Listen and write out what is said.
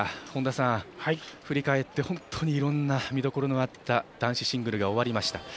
本田さん、振り返っていろいろな見どころのあった男子シングルが終わりました。